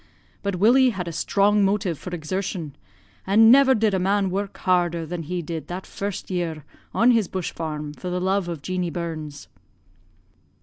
But Willie had a strong motive for exertion and never did man work harder than he did that first year on his bush farm, for the love of Jeanie Burns.'